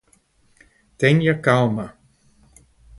Tenha calma